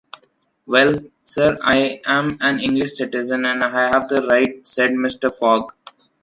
Well, sir am an English citizen and i have the right, said Mr, Fogg.